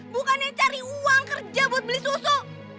dua duanya cari uang kerja buat beli susu